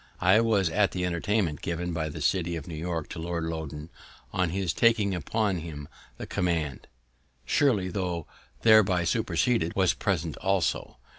I was at the entertainment given by the city of New York to Lord Loudoun, on his taking upon him the command. Shirley, tho' thereby superseded, was present also.